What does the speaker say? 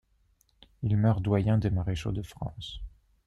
Il meurt doyen des maréchaux de France.